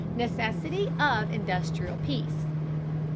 NECESSITY OF INDUSTRIAL PEACE.